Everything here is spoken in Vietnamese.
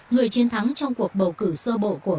người chiến thắng trong cuộc bầu cử sơ bộ của phe cánh tả